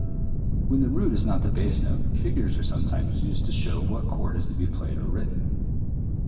66.] 200. When the root is not the bass note, figures are sometimes used to show what chord is to be played or written.